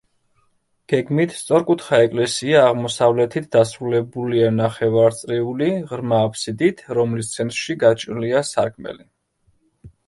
გეგმით სწორკუთხა ეკლესია აღმოსავლეთით დასრულებულია ნახევარწრიული, ღრმა აბსიდით, რომლის ცენტრში გაჭრილია სარკმელი.